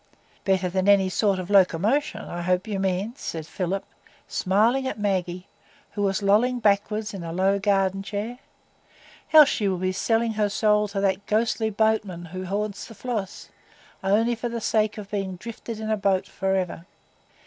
"Better than any sort of locomotion, I hope you mean," said Philip, smiling at Maggie, who was lolling backward in a low garden chair; "else she will be selling her soul to that ghostly boatman who haunts the Floss, only for the sake of being drifted in a boat forever."